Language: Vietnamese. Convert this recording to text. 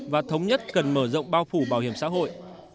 và thống nhất cần mở rộng bao phủ bảo hiểm xã hội